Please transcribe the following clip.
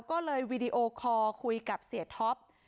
ก็เลยวีดีโอคอร์คุยกับเสียท็อป